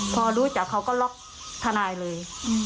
พอรู้จักเขาก็ล็อกทนายเลย